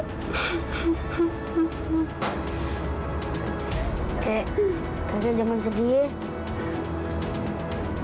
kakek kalian jangan sedih ya